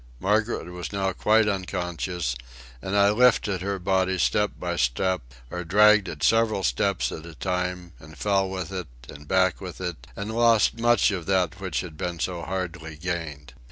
Margaret was now quite unconscious, and I lifted her body step by step, or dragged it several steps at a time, and fell with it, and back with it, and lost much that had been so hardly gained.